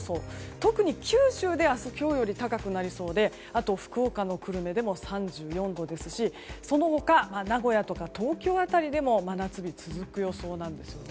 特に九州で明日、今日より高くなりそうであとは福岡の久留米でも３４度ですし、その他名古屋とか東京辺りでも真夏日が続く予想なんです。